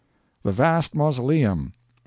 The vast mausoleum 5.